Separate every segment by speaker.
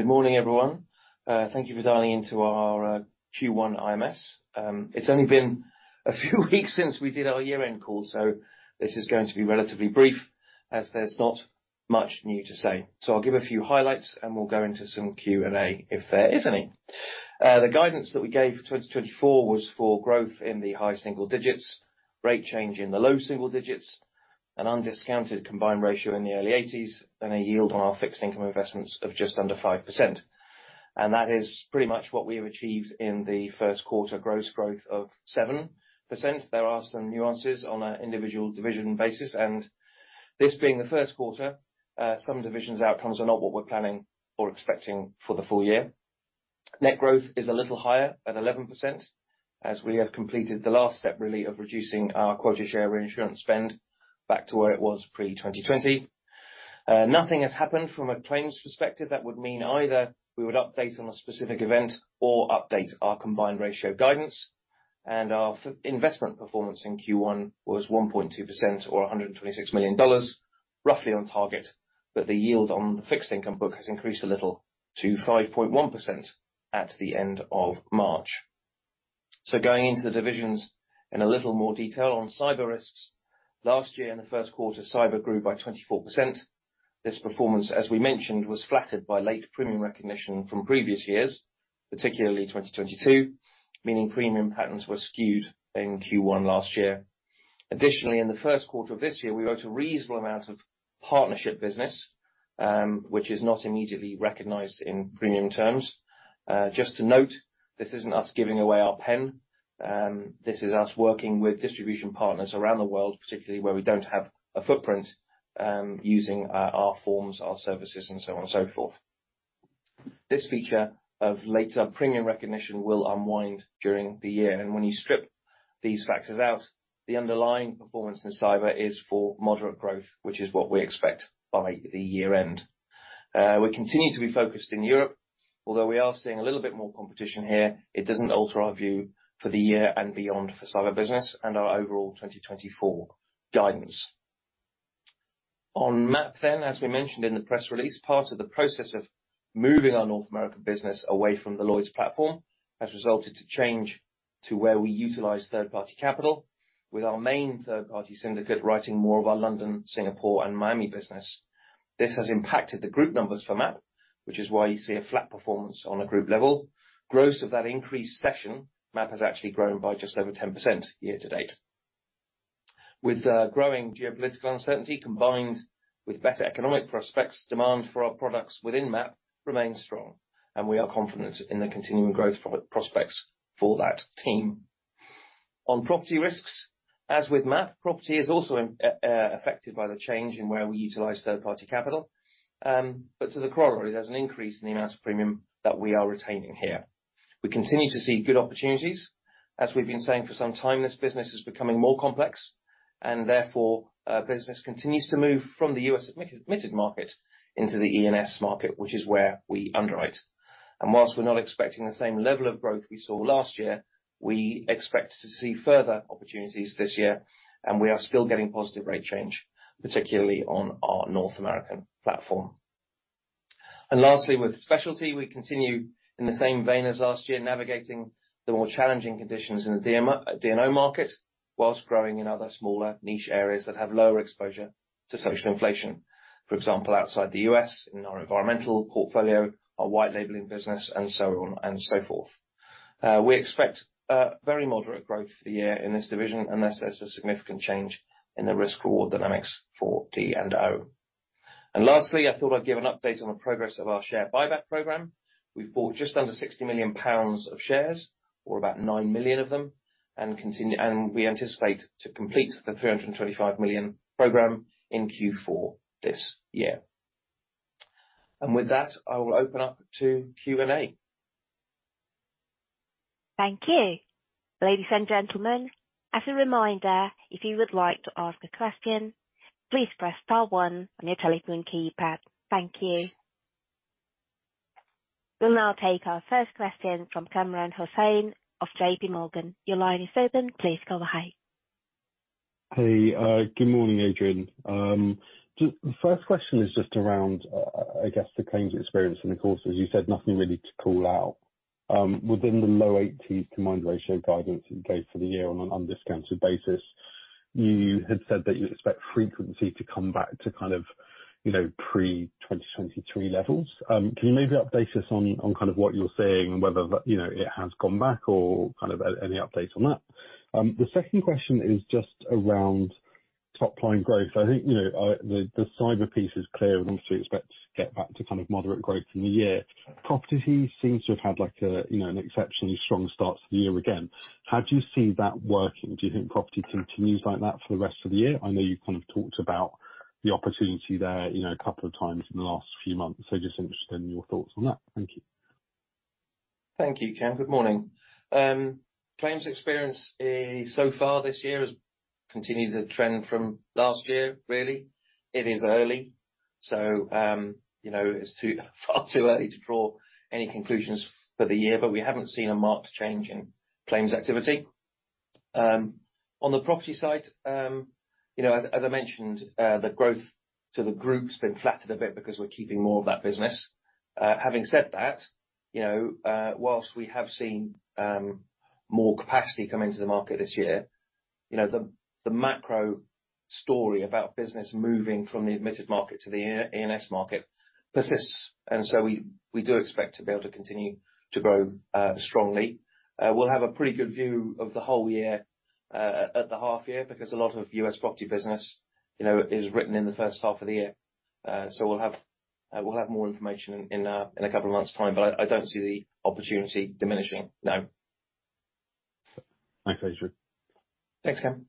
Speaker 1: Good morning, everyone. Thank you for dialing into our Q1 IMS. It's only been a few weeks since we did our year-end call, so this is going to be relatively brief, as there's not much new to say. So I'll give a few highlights, and we'll go into some Q&A if there is any. The guidance that we gave for 2024 was for growth in the high single digits, rate change in the low single digits, an undiscounted combined ratio in the early 80s, and a yield on our fixed income investments of just under 5%. And that is pretty much what we have achieved in the first quarter, gross growth of 7%. There are some nuances on an individual division basis, and this being the first quarter, some divisions' outcomes are not what we're planning or expecting for the full year. Net growth is a little higher at 11%, as we have completed the last step, really, of reducing our quota share reinsurance spend back to where it was pre-2020. Nothing has happened from a claims perspective that would mean either we would update on a specific event or update our combined ratio guidance. Our investment performance in Q1 was 1.2% or $126 million, roughly on target, but the yield on the fixed income book has increased a little to 5.1% at the end of March. So going into the divisions in a little more detail, on cyber risks, last year in the first quarter, cyber grew by 24%. This performance, as we mentioned, was flattered by late premium recognition from previous years, particularly 2022, meaning premium patterns were skewed in Q1 last year. Additionally, in the first quarter of this year, we wrote a reasonable amount of partnership business, which is not immediately recognized in premium terms. Just to note, this isn't us giving away our pen. This is us working with distribution partners around the world, particularly where we don't have a footprint, using our forms, our services, and so on and so forth. This feature of later premium recognition will unwind during the year. And when you strip these factors out, the underlying performance in cyber is for moderate growth, which is what we expect by the year end. We continue to be focused in Europe. Although we are seeing a little bit more competition here, it doesn't alter our view for the year and beyond for cyber business and our overall 2024 guidance. On MAP then, as we mentioned in the press release, part of the process of moving our North American business away from the Lloyd's platform has resulted to change to where we utilize third-party capital, with our main third-party syndicate writing more of our London, Singapore, and Miami business. This has impacted the group numbers for MAP, which is why you see a flat performance on a group level. Gross of that increased session, MAP has actually grown by just over 10% year to date. With growing geopolitical uncertainty, combined with better economic prospects, demand for our products within MAP remains strong, and we are confident in the continuing growth prospects for that team. On property risks, as with MAP, property is also affected by the change in where we utilize third-party capital. But to the corollary, there's an increase in the amount of premium that we are retaining here. We continue to see good opportunities. As we've been saying for some time, this business is becoming more complex, and therefore, business continues to move from the U.S. admitted market into the E&S market, which is where we underwrite. Whilst we're not expecting the same level of growth we saw last year, we expect to see further opportunities this year, and we are still getting positive rate change, particularly on our North American platform. Lastly, with specialty, we continue in the same vein as last year, navigating the more challenging conditions in the D&O market, whilst growing in other smaller niche areas that have lower exposure to social inflation. For example, outside the US, in our environmental portfolio, our white labeling business, and so on and so forth. We expect very moderate growth for the year in this division, unless there's a significant change in the risk reward dynamics for D&O. And lastly, I thought I'd give an update on the progress of our share buyback program. We've bought just under 60 million pounds of shares, or about 9 million of them, and continue and we anticipate to complete the 325 million program in Q4 this year. And with that, I will open up to Q&A.
Speaker 2: Thank you. Ladies and gentlemen, as a reminder, if you would like to ask a question, please press star one on your telephone keypad. Thank you. We'll now take our first question from Kamran Hossain of J.P. Morgan. Your line is open. Please go ahead.
Speaker 3: Hey, good morning, Adrian. Just the first question is just around, I guess, the claims experience in the quarter. As you said, nothing really to call out. Within the low eighties combined ratio guidance you gave for the year on an undiscounted basis, you had said that you expect frequency to come back to, kind of, you know, pre-2023 levels. Can you maybe update us on kind of what you're seeing, and whether, you know, it has gone back or kind of any updates on that? The second question is just around top-line growth. I think, you know, the cyber piece is clear. We obviously expect to get back to kind of moderate growth in the year. Property seems to have had, like, you know, an exceptionally strong start to the year again. How do you see that working? Do you think property continues like that for the rest of the year? I know you've kind of talked about the opportunity there, you know, a couple of times in the last few months, so just interested in your thoughts on that. Thank you.
Speaker 1: Thank you, Kam. Good morning. Claims experience, so far this year has continued to trend from last year, really. It is early, so, you know, it's far too early to draw any conclusions for the year, but we haven't seen a marked change in claims activity. On the property side, you know, as I mentioned, the growth to the group's been flattered a bit because we're keeping more of that business. Having said that, you know, whilst we have seen more capacity come into the market this year, you know, the macro story about business moving from the admitted market to the E&S market persists, and so we do expect to be able to continue to grow strongly. We'll have a pretty good view of the whole year at the half year, because a lot of U.S. property business, you know, is written in the first half of the year. So we'll have more information in a couple of months' time, but I don't see the opportunity diminishing. No.
Speaker 4: Thanks, Adrian.
Speaker 1: Thanks, [unaudible].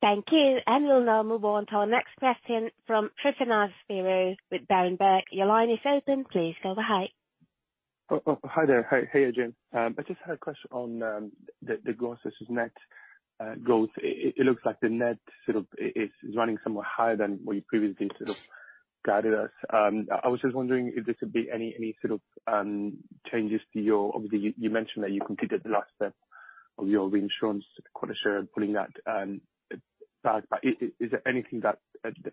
Speaker 2: Thank you. We'll now move on to our next question from Tryfon Spyrou with Berenberg. Your line is open. Please go ahead.
Speaker 5: Oh, oh, hi there. Hi. Hey, Adrian. I just had a question on the gross versus net growth. It looks like the net sort of is running somewhat higher than what you previously sort of guided us. I was just wondering if there could be any sort of changes to your... Obviously, you mentioned that you completed the last step of your reinsurance quota share, pulling that back. But is there anything that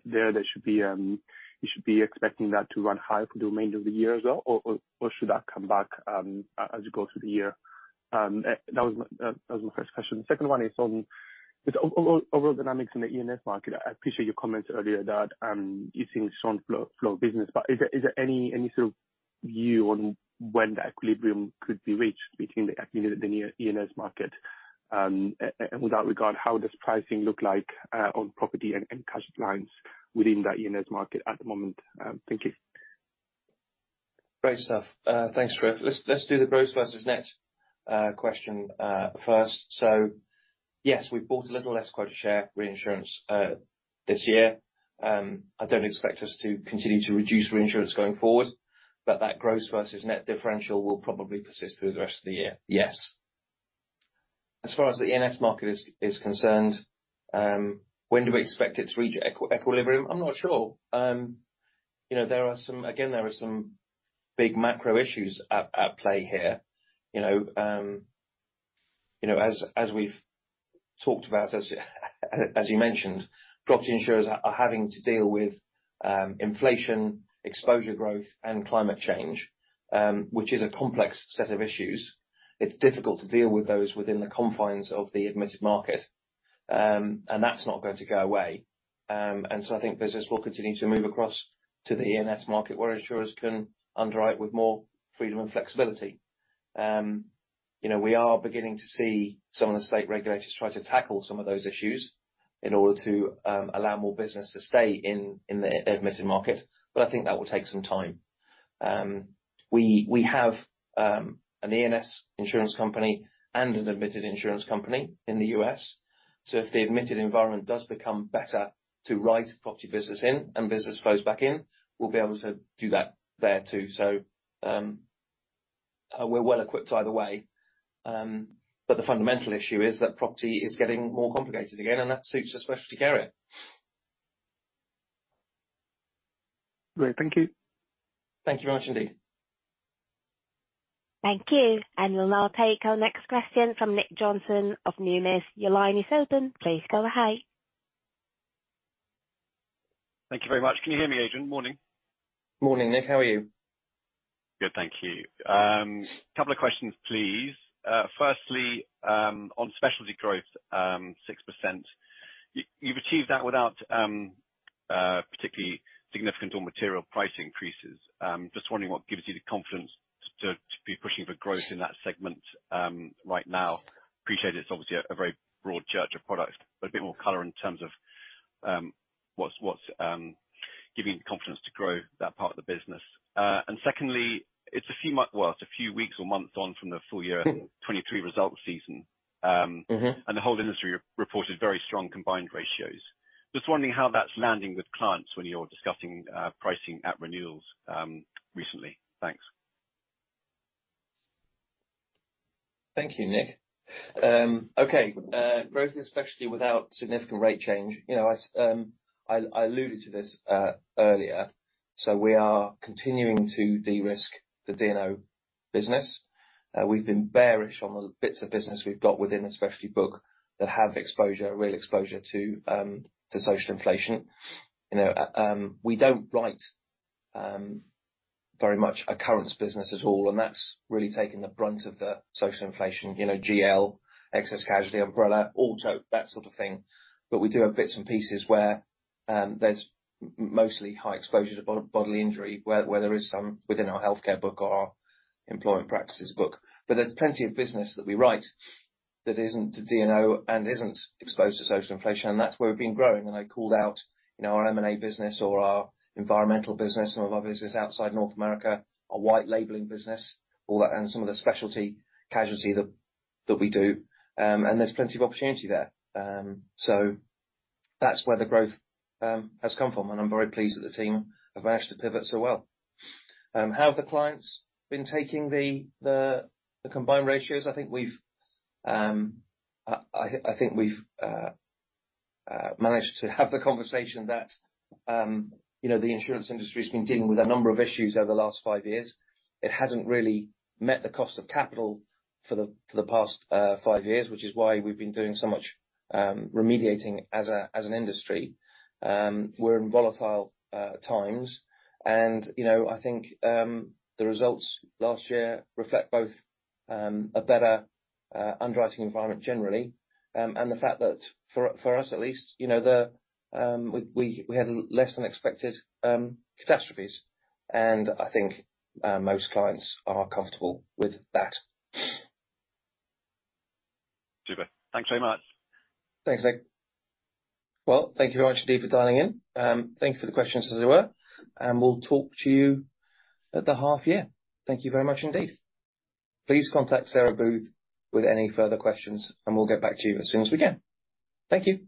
Speaker 5: you should be expecting that to run higher for the remainder of the year as well, or should that come back as you go through the year? That was my first question. The second one is on the overall dynamics in the E&S market. I appreciate your comments earlier that you're seeing strong flow of business, but is there any sort of view on when the equilibrium could be reached between the E&S market? And with that regard, how does pricing look like on property and casualty lines within that E&S market at the moment? Thank you.
Speaker 1: Great stuff. Thanks, Trif. Let's do the gross versus net question first. So yes, we've bought a little less quota share reinsurance this year. I don't expect us to continue to reduce reinsurance going forward, but that gross versus net differential will probably persist through the rest of the year. Yes. As far as the E&S market is concerned, when do we expect it to reach equilibrium? I'm not sure. You know, there are some... Again, there are some big macro issues at play here. You know, you know, as we've talked about, as you mentioned, property insurers are having to deal with inflation, exposure growth, and climate change, which is a complex set of issues. It's difficult to deal with those within the confines of the admitted market. And that's not going to go away. And so I think business will continue to move across to the E&S market, where insurers can underwrite with more freedom and flexibility. You know, we are beginning to see some of the state regulators try to tackle some of those issues in order to allow more business to stay in the admitted market, but I think that will take some time. We have an E&S insurance company and an admitted insurance company in the U.S., so if the admitted environment does become better to write property business in and business flows back in, we'll be able to do that there, too. So, we're well equipped either way, but the fundamental issue is that property is getting more complicated again, and that suits us specialty area.
Speaker 5: Great. Thank you.
Speaker 1: Thank you very much indeed.
Speaker 2: Thank you. We'll now take our next question from Nick Johnson, of Numis. Your line is open. Please go ahead.
Speaker 4: Thank you very much. Can you hear me, Adrian? Morning.
Speaker 1: Morning, Nick. How are you?
Speaker 4: Good, thank you. Couple of questions, please. Firstly, on specialty growth, 6%. You've achieved that without particularly significant or material price increases. Just wondering what gives you the confidence to be pushing for growth in that segment right now? Appreciate it's obviously a very broad church of products, but a bit more color in terms of what's giving you confidence to grow that part of the business. And secondly, it's a few months... well, it's a few weeks or months on from the full year-
Speaker 1: Mm-hmm...
Speaker 4: 2023 results season.
Speaker 1: Mm-hmm...
Speaker 4: and the whole industry reported very strong combined ratios. Just wondering how that's landing with clients when you're discussing pricing at renewals recently? Thanks.
Speaker 1: Thank you, Nick. Okay, growth, especially without significant rate change. You know, I alluded to this earlier. So we are continuing to de-risk the D&O business. We've been bearish on the bits of business we've got within the specialty book that have exposure, real exposure, to social inflation. You know, we don't write very much occurrence business at all, and that's really taken the brunt of the social inflation, you know, GL, excess casualty, umbrella, auto, that sort of thing. But we do have bits and pieces where there's mostly high exposure to bodily injury, where there is some within our healthcare book or our employment practices book. But there's plenty of business that we write that isn't D&O and isn't exposed to social inflation, and that's where we've been growing. And I called out, you know, our M&A business, or our environmental business, some of our business outside North America, our white labeling business, all that, and some of the specialty casualty that we do. And there's plenty of opportunity there. So that's where the growth has come from, and I'm very pleased that the team have managed to pivot so well. How have the clients been taking the combined ratios? I think we've managed to have the conversation that, you know, the insurance industry's been dealing with a number of issues over the last five years. It hasn't really met the cost of capital for the past five years, which is why we've been doing so much remediating as an industry. We're in volatile times and, you know, I think the results last year reflect both a better underwriting environment generally and the fact that, for us at least, you know, we had less than expected catastrophes, and I think most clients are comfortable with that.
Speaker 4: Super. Thanks very much.
Speaker 1: Thanks, Nick. Well, thank you very much indeed for dialing in. Thank you for the questions as they were, and we'll talk to you at the half year. Thank you very much indeed. Please contact Sarah Booth with any further questions, and we'll get back to you as soon as we can. Thank you.